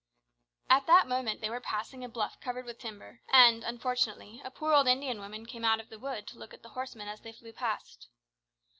At that moment they were passing a bluff covered with timber, and, unfortunately, a poor old Indian woman came out of the wood to look at the horsemen as they flew past.